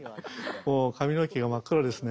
髪の毛が真っ黒ですね。